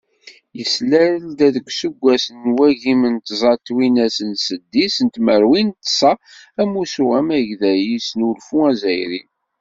Yeslal-d, deg useggas n wagim d tẓa twinas d seddis tmerwin d ṣa, Amussu amagday i usnulfu azzayri.